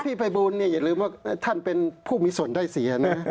พี่ภัยบูรณ์อย่าลืมว่าท่านเป็นผู้มีส่วนได้เสียนะฮะ